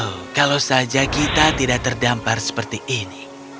oh kalau saja kita tidak terdampar seperti ini